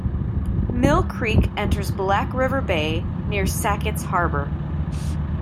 Mill Creek enters Black River Bay near Sackets Harbor.